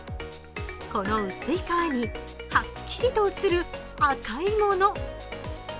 この薄い皮にはっきりと映る赤いもの。